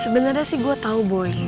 sebenernya sih gue tau boy